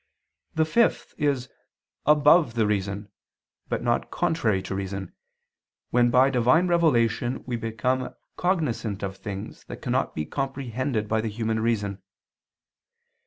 The fifth is "above the reason," but not contrary to reason, when by divine revelation we become cognizant of things that cannot be comprehended by the human reason.